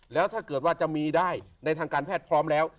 แล้วถ้าเกิดว่าจะมีได้ในทางการแพทย์พร้อมแล้ว